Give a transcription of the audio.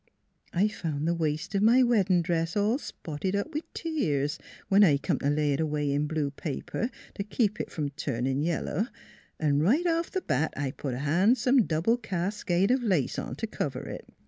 I found the waist of my wedding dress all spotted up with tears, when I come to lay it away in blue paper to keep it from turning yellow, & right off the bat I put a hansome double cascade of lace on to cover it.